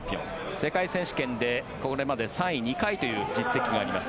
世界選手権でこれまで３位２回という実績があります。